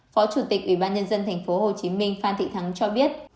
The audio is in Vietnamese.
phó chủ tịch ủy ban nhân dân tp hcm phan thị thắng cho biết